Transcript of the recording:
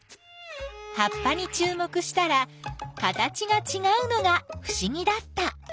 葉っぱにちゅう目したら形がちがうのがふしぎだった。